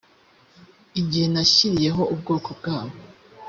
igihe nashyiriyeho ubwoko bwabo